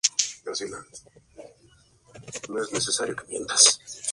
Se extrae en las minas como mena de antimonio y hierro.